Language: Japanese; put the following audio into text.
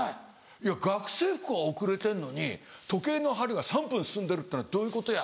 「いや学生服が遅れてんのに時計の針が３分進んでるってどういうことや！」